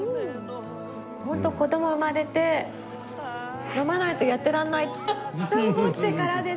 ホント子供生まれて飲まないとやってらんないと思ってからです